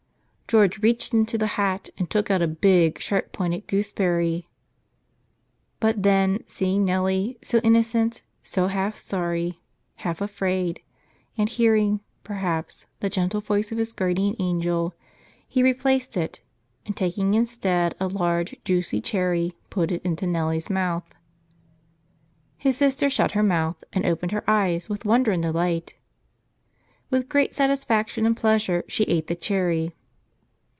George reached into the hat and took out a big, sharp pointed gooseberry. But, then, seeing Nellie so innocent, so half sorry, half afraid, and hearing, perhaps, the gentle voice of his Guardian Angel, he replaced it and, taking instead a large, juicy cherry, put it into Nellie's mouth. His sister shut her mouth and opened her eyes with wonder and delight. With great satisfaction and pleasure she ate the cherry.